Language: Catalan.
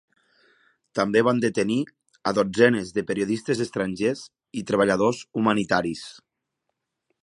També van detenir a dotzenes de periodistes estrangers i treballadors humanitaris.